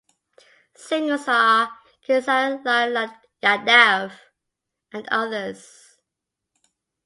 Singers are Khesari Lal Yadav and others.